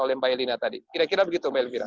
oleh mbak elina tadi kira kira begitu mbak elvira